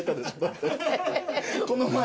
この前。